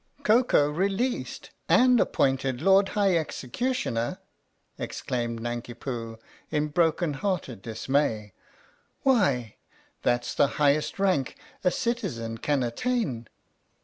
" Koko released and appointed Lord High Executioner!" exclaimed Nanki Poo in broken hearted dismay. " Why, that's the highest rank a citizen can attain